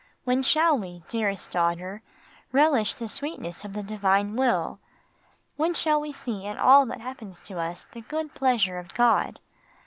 When shall we, dearest daughter, relish the sweetness of the divine will? When shall we see in all that happens to us the good pleasure of God?